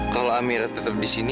kalau amir tetap disini